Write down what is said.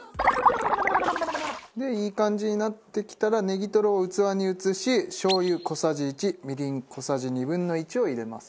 でいい感じになってきたらねぎとろを器に移ししょう油小さじ１みりん小さじ２分の１を入れます。